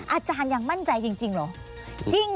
อาจารย์ยังมั่นใจจริงเหรอ